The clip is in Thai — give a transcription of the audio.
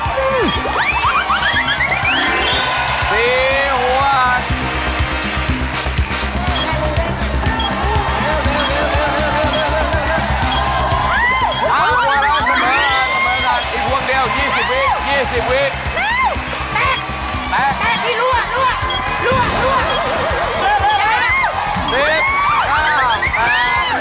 คุณยิ่งยกก็ช่วยเชียร์เต็มที่ครับ